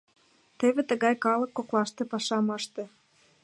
Теве тыгай калык коклаште пашам ыште!